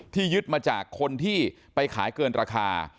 ยึดมาจากคนที่ไปขายเกินราคา